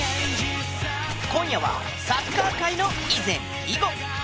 今夜はサッカー界の以前以後。